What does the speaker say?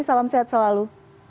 salam sehat selalu